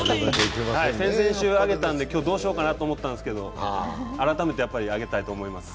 先々週あげたんで、今日どうしようと思ったんですけど改めてあげたいと思います。